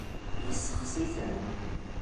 Yessexsi-ten.